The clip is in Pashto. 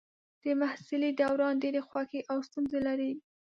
د محصلۍ دوران ډېرې خوښۍ او ستونزې لري.